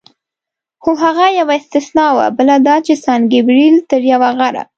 خو هغه یوه استثنا وه، بله دا چې سان ګبرېل تر یو غره.